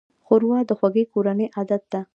ښوروا د خوږې کورنۍ عادت ده.